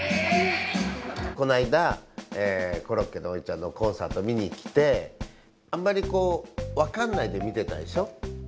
このあいだコロッケのおじちゃんのコンサート見にきてあんまりこうわかんないで見てたでしょ？